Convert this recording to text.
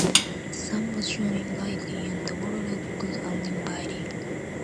The sun was shining brightly, and the water looked cool and inviting.